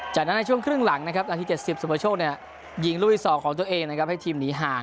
จากนั้นในช่วงครึ่งหลังนะครับนาทีเมื่อกีปสุภาชโชคเนี่ยหญิงรูสอที่สองของตัวเองนะครับให้ทีมหนีห่าง